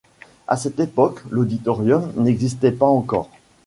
À cette époque, l’auditorium n’existait pas encore.